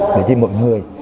để chỉ một người